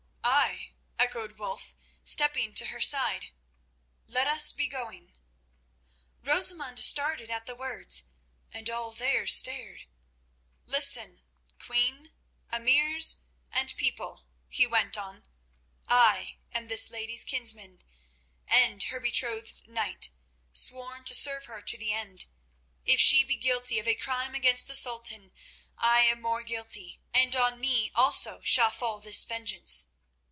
"Ay," echoed Wulf, stepping to her side, "let us be going." Rosamund started at the words, and all there stared. "Listen, Queen, Emirs, and People," he went on. "I am this lady's kinsman and her betrothed knight, sworn to serve her to the end. If she be guilty of a crime against the Sultan, I am more guilty, and on me also shall fall his vengeance.